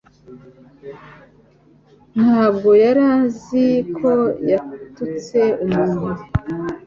ntabwo yari azi ko yatutse umuntu.